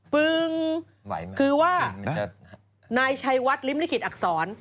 ปึงคือว่านายชัยวัดริมลิขิตอักษร